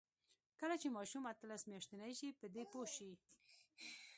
کله چې ماشوم اتلس میاشتنۍ شي، په دې پوه شي.